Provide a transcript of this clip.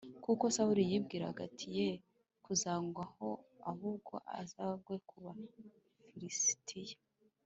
Kuko Sawuli yibwiraga ati “Ye kuzangwaho, ahubwo azagwe ku Bafilisitiya.”